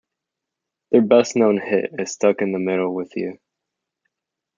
Their best-known hit is Stuck in the Middle with You.